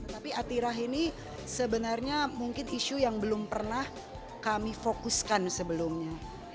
tapi atirah ini sebenarnya mungkin isu yang belum pernah kami fokuskan sebelumnya